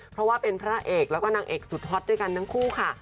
เพราะว่าเป็นพระเอกแล้วก็นางเอกสุดฮอตด้วยกันทั้งคู่ค่ะ